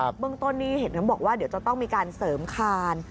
เบื้องต้นนี่เห็นบอกว่าเดี๋ยวจะต้องมีการเสริมคาน